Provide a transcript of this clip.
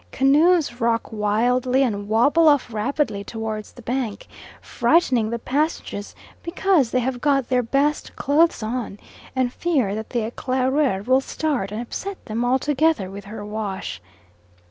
Canoes rock wildly and wobble off rapidly towards the bank, frightening the passengers because they have got their best clothes on, and fear that the Eclaireur will start and upset them altogether with her wash.